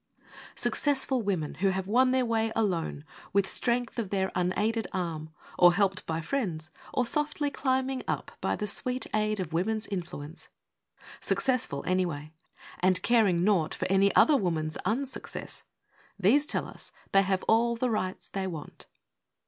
Successful women who have won their way Alone, with strength of their unaided arm, Or helped by friends, or softly climbing up By the sweet aid of "woman's influence"; Successful any way, and caring naught For any other woman's unsuccess These tell us they have all the rights they want.